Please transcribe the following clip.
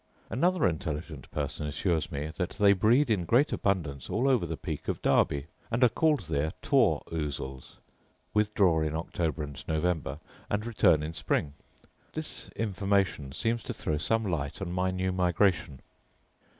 Another intelligent person assures me that they breed in great abundance all over the Peak of Derby, and are called there tor ousels; withdraw in October and November, and return in spring. This information seems to throw some light on my new migration.